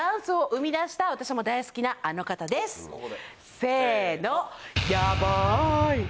せの！